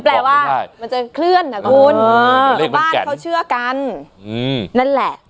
แปลว่ามันจะเคลื่อนเลยในบ้านเขาเชื่อกันอืมนั่นแหละ